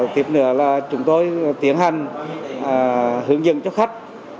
tiếp nữa là chúng tôi tiến hành hướng dẫn cho khách